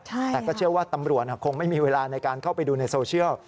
แต่ก็เชื่อว่าตำรวจคงไม่มีเวลาในการเข้าไปดูในโซเชียล